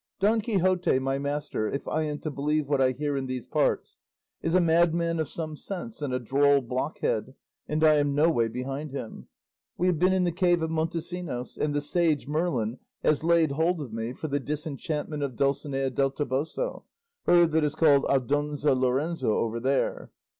Don Quixote, my master, if I am to believe what I hear in these parts, is a madman of some sense, and a droll blockhead, and I am no way behind him. We have been in the cave of Montesinos, and the sage Merlin has laid hold of me for the disenchantment of Dulcinea del Toboso, her that is called Aldonza Lorenzo over there.